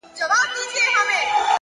مهرباني د کینې دیوالونه نړوي,